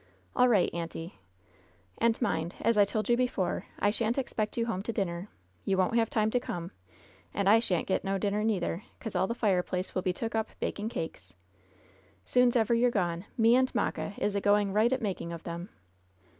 "All right, auntie." "And, mind, as I told you before, I shan't expect you home to dinner. You won't have time to come. And I shan't get no dinner, neither, 'cause all the fireplace will be took up baking cakes. Soon's ever you're gone, me and Mocka is a going right at making of 'em.